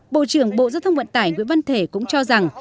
bộ trưởng bộ giao thông vận tải nguyễn văn thể cũng cho rằng